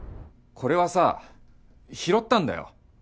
これはさ拾ったんだよ。